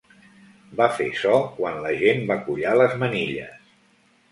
Va fer so quan l'agent va collar les manilles.